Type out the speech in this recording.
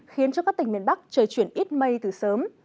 khiến cho các tỉnh miền bắc trời chuyển ít mây từ sớm